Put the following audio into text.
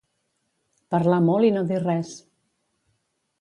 Parlar molt i no dir res